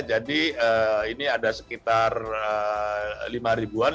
jadi ini ada sekitar lima ribuan